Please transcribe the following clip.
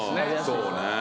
そうね